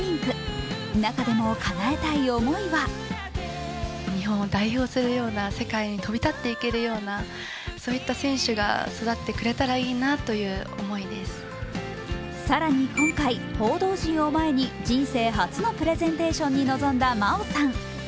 中でもかなえたい思いは更に今回、報道陣を前に人生初のプレゼンテーションに臨んだ真央さん。